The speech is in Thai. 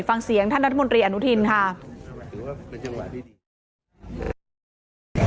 ฟังเสียงท่านรัฐมนตรีอนุทินค่ะ